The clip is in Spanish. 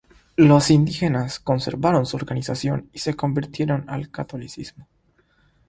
Los indígenas conservaron su organización y se convirtieron al catolicismo.